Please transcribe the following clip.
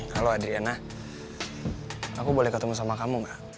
halo adriana aku boleh ketemu sama kamu